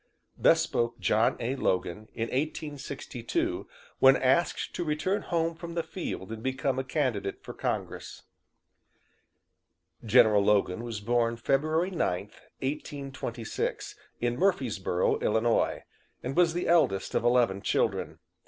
Thus spoke John A. Logan in 1862, when asked to return home from the field and become a candidate for Congress. General Logan was born February 9th, 1826, in Murphysboro, Illinois, and was the eldest of eleven children.